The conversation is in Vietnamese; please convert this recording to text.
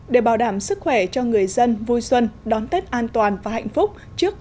để bảo đảm sức khỏe cho người dân vui xuân đón tết an toàn và hạnh phúc